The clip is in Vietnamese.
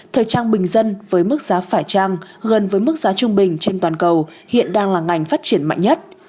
thời trang bình dân với mức giá phải trăng gần với mức giá trung bình trên toàn cầu hiện đang là ngành phát triển mạnh nhất